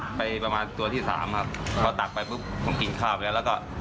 ไปประมาณตัวที่สามครับพอตักไปปุ๊บผมกินข้าวไปแล้วแล้วก็